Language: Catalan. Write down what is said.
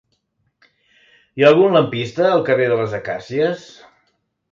Hi ha algun lampista al carrer de les Acàcies?